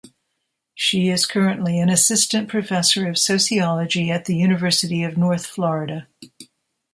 She is currently an Assistant Professor of Sociology at the University of North Florida.